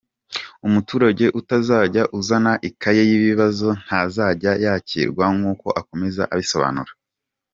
Umuturage utazajya uzana ikaye y’ibibazo ntazajya yakirwa nk’uko akomeza abisobanura.